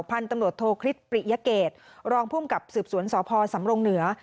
พันธุ์ตำรวจโทคริสปริยเกตรองภูมิกับสืบสวนสพสำรงเหนือ